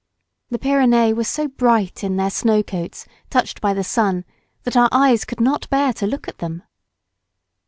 The Pyrenees were so bright in their snow coats touched by the sun that our eyes could not bear to look at them.